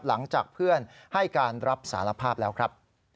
หลังจากเพื่อนให้การรับสารภาพแล้วครับ